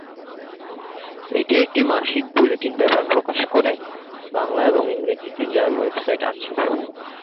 এটি একটি মাসিক বুলেটিন পেপার প্রকাশ করে ।বাংলা এবং ইংরেজিতে যার ওয়েবসাইট আছে।